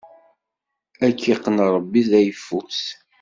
Ad k-iqqen Ṛebbi d ayeffus!